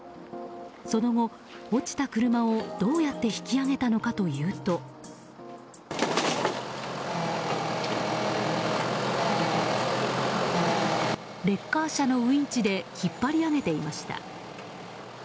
その後、落ちた車をどうやって引き上げたのかというとレッカー車のウインチで引っ張り上げていました。